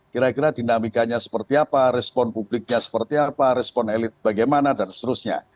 kira kira dinamikanya seperti apa respon publiknya seperti apa respon elit bagaimana dan seterusnya